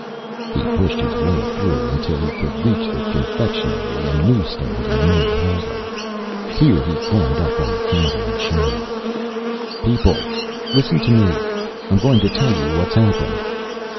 He pushed his way through until he could reach the confectionery and news stand in the main hallway. Here he climbed up on the counter and shouted: "People, listen to me! I'm going to tell you what's happened!"